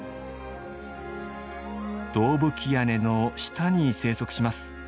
銅ぶき屋根の下に生息します。